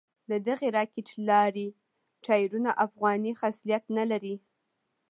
ددغې راکېټ لارۍ ټایرونه افغاني خصلت نه لري.